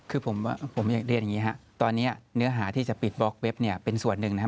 คือผมอยากเรียนอย่างนี้ฮะตอนนี้เนื้อหาที่จะปิดบล็อกเว็บเนี่ยเป็นส่วนหนึ่งนะครับ